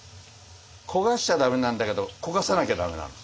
焦がしちゃ駄目なんだけど焦がさなきゃ駄目なの。